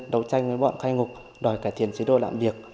đấu tranh với bọn khai ngục đòi cải thiện chế độ lạm biệt